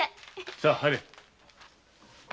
さぁ入れ。